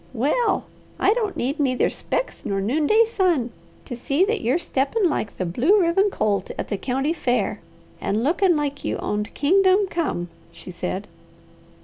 "Well I don't need neither specs nor noonday sun to see that you're steppin' like the blue ribbon colt at the County Fair, and lookin' like you owned Kingdom Come," she said.